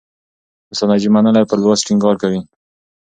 استاد نجيب منلی پر لوست ټینګار کوي.